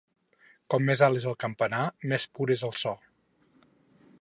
Com més alt és el campanar, més pur és el so.